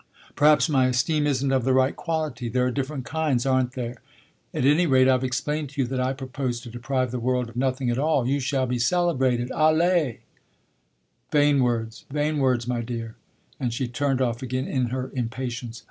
Perhaps my esteem isn't of the right quality there are different kinds, aren't there? At any rate I've explained to you that I propose to deprive the world of nothing at all. You shall be celebrated, allez!" "Vain words, vain words, my dear!" and she turned off again in her impatience.